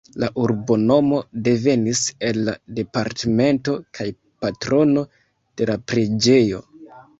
La urbonomo devenis el la departemento kaj patrono de la preĝejo.